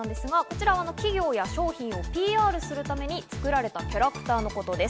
企業や商品をＰＲするために作られたキャラクターのことです。